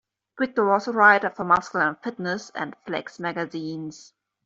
Viator was a writer for "Muscle and Fitness" and "Flex" magazines.